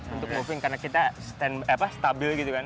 untuk moving karena kita stand apa stabil gitu kan